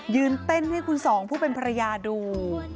ยืนเต้นให้คุณสองผู้เป็นภรรยาดู